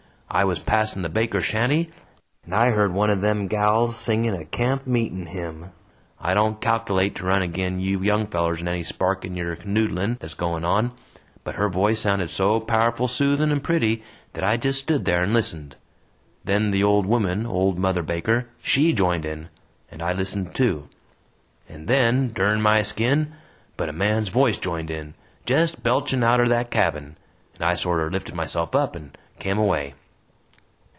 I was passin' the Bakers' shanty, and I heard one of them gals a singing a camp meeting hymn. I don't calkilate to run agin you young fellers in any sparkin' or canoodlin' that's goin' on, but her voice sounded so pow'ful soothin' and pretty thet I jest stood there and listened. Then the old woman old Mother Baker SHE joined in, and I listened too. And then dern my skin! but a man's voice joined in jest belching outer that cabin! and I sorter lifted myself up and kem away.